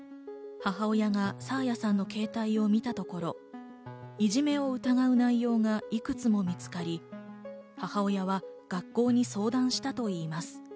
母親が爽彩さんの携帯を見たところいじめを疑う内容がいくつも見つかり、母親は学校に相談したといいます。